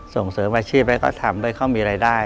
ส่งเสริมอาชีพให้เขาทำเขามีอะไรได้